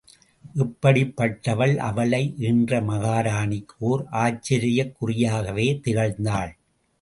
இப்படிப் பட்டவள் அவளை ஈன்ற மகாராணிக்கு ஓர் ஆச்சரியக் குறியாகவே திகழ்ந்தாள்.